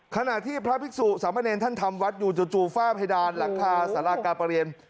ขณะที่พระภิกษุสามเนรท่านทำวัดอยู่จู่ฝ้าเพดานหลังคาสารากาประเรียน